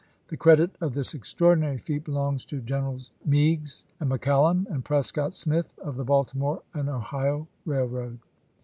The credit of this extraordinary feat belongs to Generals Meigs and McCallum and Prescott Smith of the Balti more and Ohio Eailroad.